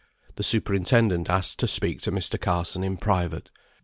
The superintendent asked to speak to Mr. Carson in private.